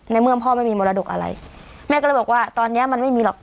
ในเมื่อพ่อไม่มีมรดกอะไรแม่ก็เลยบอกว่าตอนเนี้ยมันไม่มีหรอก